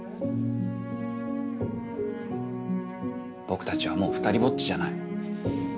僕たちはもう二人ぼっちじゃない。